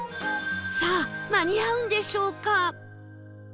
さあ間に合うんでしょうか？